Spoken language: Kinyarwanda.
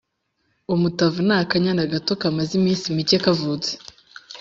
Umutavu n’akanyana gato kamaze iminsi mike kavutse